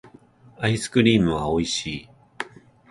アイスクリームはおいしい